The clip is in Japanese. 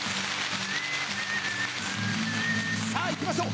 さぁ行きましょう。